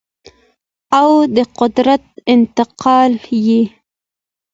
او د قدرت انتقال یې